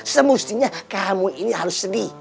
semestinya kamu ini harus sedih